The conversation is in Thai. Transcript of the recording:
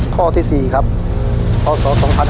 ข้อที่๔พศ๒๕๕๗